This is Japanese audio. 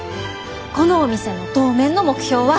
このお店の当面の目標は。